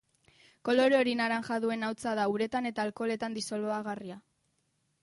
Kolore hori-laranja duen hautsa da, uretan eta alkoholetan disolbagarria.